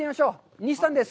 西さんです。